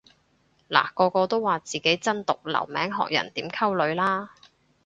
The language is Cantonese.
嗱個個都話自己真毒留名學人點溝女啦